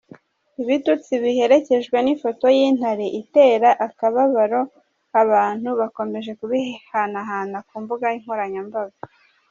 Ibitutsi biherekejwe n’ifoto y’intare itera akabariro abantu bakomeje kubihanahana ku mbuga nkoranyambaga.